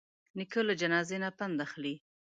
نیکه له جنازې نه پند اخلي.